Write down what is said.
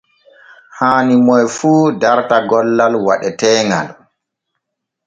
Haani moy fu darta gollal waɗeteeŋal.